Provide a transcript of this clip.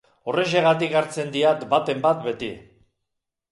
Horrexegatik hartzen diat baten bat beti.